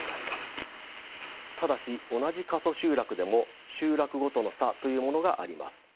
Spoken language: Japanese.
ただし同じ過疎集落でも集落ごとの差というものがあります。